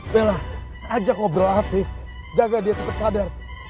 bella ajak ngobrol afif jaga dia cepet sadar